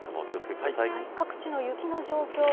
各地の雪の状況